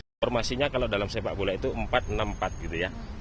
informasinya kalau dalam sepak bola itu empat enam empat gitu ya